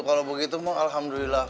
kalau begitu alhamdulillah